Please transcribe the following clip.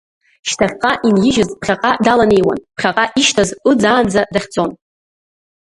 Шьҭахьҟа инижьыз ԥхьаҟа даланеиуан, ԥхьаҟа ишьҭаз ыӡаанӡа дахьӡон.